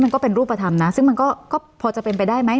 ก็เป็นรูปธรรมนะซึ่งมันก็พอจะเป็นไปได้ไหม